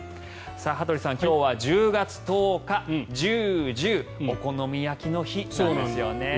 羽鳥さん、今日は１０月１０日ジュージューお好み焼きの日なんですよね。